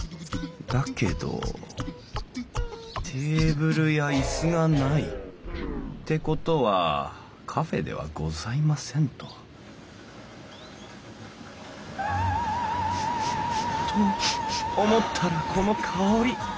だけどテーブルや椅子がないて事はカフェではございませんとと思ったらこの香り！